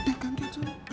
udah ganti curang